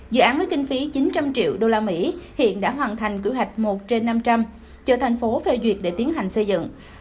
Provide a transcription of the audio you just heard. dự án với kinh phí chín trăm linh triệu usd hiện đã hoàn thành kế hoạch một trên năm trăm linh chờ thành phố phê duyệt để tiến hành xây dựng